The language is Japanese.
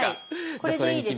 これでいいです。